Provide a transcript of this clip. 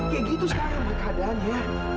kayak gitu sekarang keadaannya